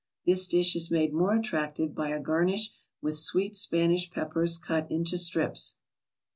This dish is made more attractive by a garnish with sweet Spanish peppers, cut into strips.